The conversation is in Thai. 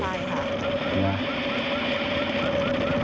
ใช่